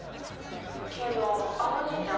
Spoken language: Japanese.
けどあのじいちゃん